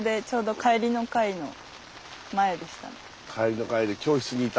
帰りの会で教室にいた？